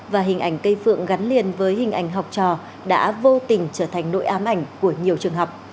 và hình ảnh cây phượng gắn liền với hình ảnh học trò đã vô tình trở thành nội ám ảnh của nhiều trường học